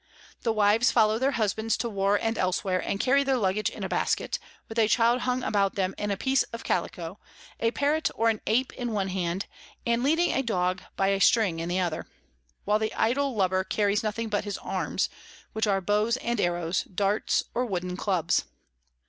The Wives follow their Husbands to War and elsewhere, and carry their Luggage in a Basket, with a Child hung about them in a piece of Callico, a Parrot or an Ape in one hand, and leading a Dog by a string in the other; while the idle Lubber carries nothing but his Arms, which are Bows and Arrows, Darts or Wooden Clubs.